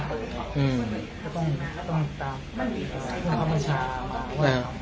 เพราะอะไรคือถ้าเป็นสิ่งทองหลังลืมเนี่ย